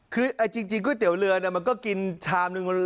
คือจริงก๋วยเตี๋ยวเรือมันก็กินชามหนึ่ง